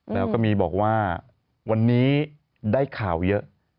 แล้วก็มีบอกว่าวันนี้ได้ข่าวเยอะ